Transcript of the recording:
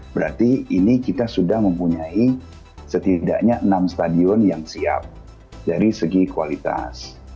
berarti ini kita sudah mempunyai setidaknya enam stadion yang siap dari segi kualitas